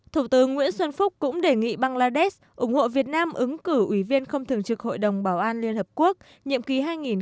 thủ tướng nguyễn xuân phúc cũng đề nghị bangladesh ủng hộ việt nam ứng cử ủy viên không thường trực hội đồng bảo an liên hợp quốc nhiệm kỳ hai nghìn hai mươi hai nghìn hai mươi một